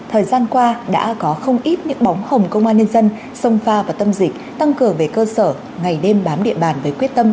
thời gian qua đã có không ít những bóng hồng công an nhân dân sông pha và tâm dịch tăng cường về cơ sở ngày đêm bám địa bàn với quyết tâm